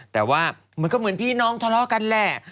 แต่ว่ามันก็เหมือนพี่น้องทะเลาะกันแหละ